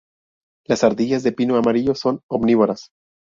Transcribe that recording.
Las ardillas de pino amarillo son omnívoras.